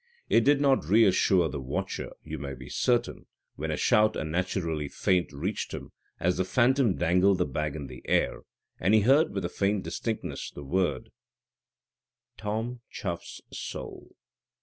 It did not reassure the watcher, you may be certain, when a shout unnaturally faint reached him, as the phantom dangled the bag in the air, and he heard with a faint distinctness the words, "Tom Chuff's soul!"